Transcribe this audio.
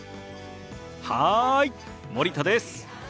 はい森田です。